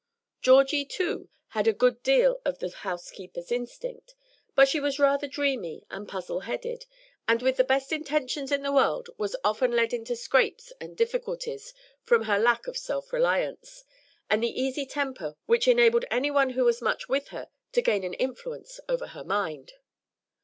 Georgie, too, had a good deal of the housekeeper's instinct, but she was rather dreamy and puzzle headed, and with the best intentions in the world was often led into scrapes and difficulties from her lack of self reliance, and the easy temper which enabled any one who was much with her to gain an influence over her mind.